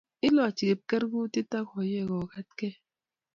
Ilochi kipkerkutit akoiwei kogatkei